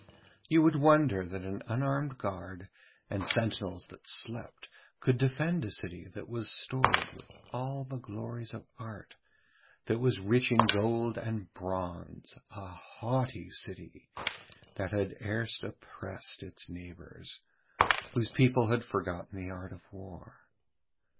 You would wonder that an unarmed guard and sentinels that slept could defend a city that was stored with all the glories of art, that was rich in gold and bronze, a haughty city that had erst oppressed its neighbours, whose people had forgotten the art of war.